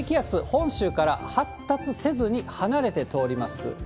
本州から発達せずに離れて通ります。